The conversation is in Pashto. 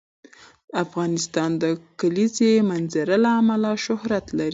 افغانستان د د کلیزو منظره له امله شهرت لري.